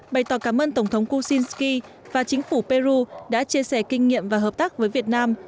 bày tỏ cảm ơn tổng thống kujinsky và chính phủ peru đã chia sẻ kinh nghiệm và hợp tác với việt nam